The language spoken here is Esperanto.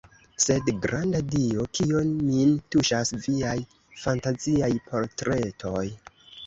Sed, granda Dio, kio min tuŝas viaj fantaziaj portretoj?